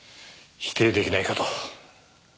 否定出来ないかと。